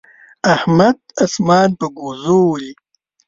احمد اسمان په ګوزو ولي.